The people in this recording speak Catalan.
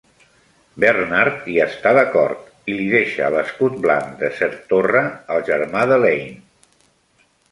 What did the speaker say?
Bernard hi està d'acord i li deixa l'escut blanc de Sir Torre, el germà d'Elaine.